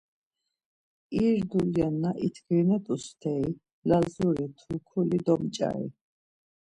İr duyla na itkvinet̆u steri Lazuri, Turkuli domç̌ari.